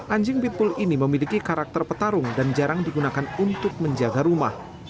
anjing pitpool ini memiliki karakter petarung dan jarang digunakan untuk menjaga rumah